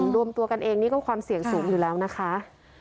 รวมตัวกันเองนี่ก็ความเสี่ยงสูงอยู่แล้วนะคะ